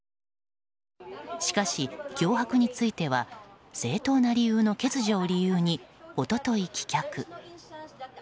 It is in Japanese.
しかし、脅迫については正当な理由の欠如を理由に一昨日、棄却。